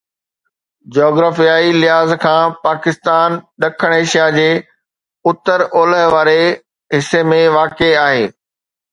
جاگرافيائي لحاظ کان پاڪستان ڏکڻ ايشيا جي اتر اولهه واري حصي ۾ واقع آهي